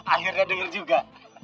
akhirnya dengar juga